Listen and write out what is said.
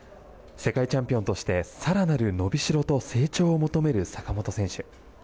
世界チャンピオンとして更なるのびしろと成長を求める坂本選手。